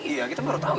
iya kita baru tahu ya